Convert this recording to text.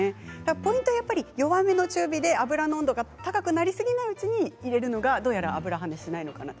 ポイントはやっぱり弱めの中火で油の温度が高くなりすぎないうちに入れるのがどうやら油跳ねしないのかなと。